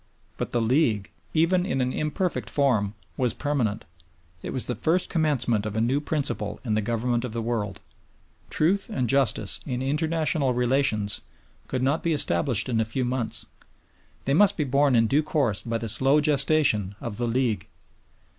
But the League, even in an imperfect form, was permanent; it was the first commencement of a new principle in the government of the world; Truth and Justice in international relations could not be established in a few months, they must be born in due course by the slow gestation of the League.